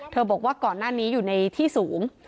บอกว่าก่อนหน้านี้อยู่ในที่สูง